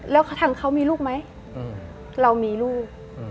แล้วทางเขามีลูกไหมเรามีลูก